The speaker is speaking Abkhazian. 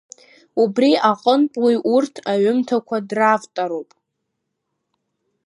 Убри аҟынтә уи урҭ аҩымҭақәа дравторуп.